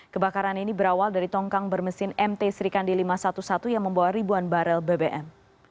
kebakaran ini berawal dari tongkang bermesin mt serikandi lima ratus sebelas yang membawa ribuan barel bbm